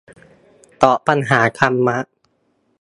ตอบปัญหาธรรมะ